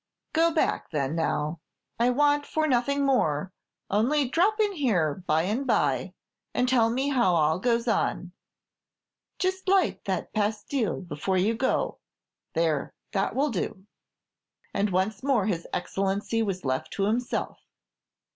"Go back, then, now. I want for nothing more; only drop in here by and by, and tell me how all goes on. Just light that pastil before you go; there that will, do." And once more his Excellency was left to himself.